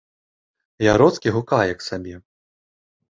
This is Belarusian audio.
Яроцкі гукае к сабе.